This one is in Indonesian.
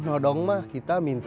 nodong mah kita minta